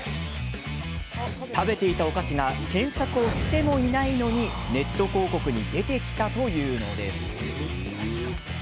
食べていたお菓子が検索をしてもいないのにネット広告に出てきたというのです。